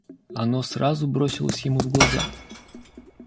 Оно сразу бросилось ему в глаза.